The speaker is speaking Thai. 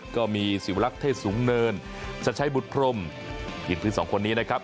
ก็มีศิวลักษ์เทศสูงเนินชัดชัยบุตรพรมยีดพื้นสองคนนี้นะครับ